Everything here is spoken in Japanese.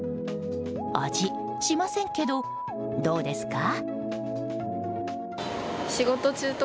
味、しませんけど、どうですか？